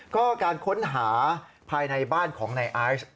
ก็การค้นหาภายในบ้านของนายไอซ์